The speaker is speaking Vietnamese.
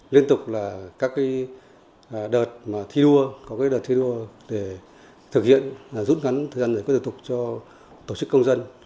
liên tục các đợt thi đua có đợt thi đua để thực hiện rút ngắn thời gian của thủ tục cho tổ chức công dân